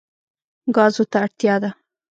ګازو ته اړتیا ده.